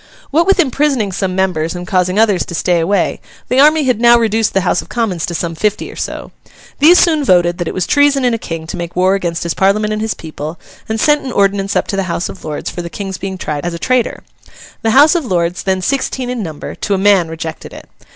What with imprisoning some members and causing others to stay away, the army had now reduced the House of Commons to some fifty or so. These soon voted that it was treason in a king to make war against his parliament and his people, and sent an ordinance up to the House of Lords for the King's being tried as a traitor. The House of Lords, then sixteen in number, to a man rejected it.